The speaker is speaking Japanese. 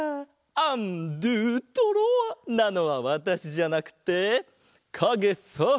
アンドゥトロワ！なのはわたしじゃなくてかげさ！